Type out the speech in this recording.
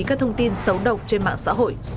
các thông tin xấu độc trên mạng xã hội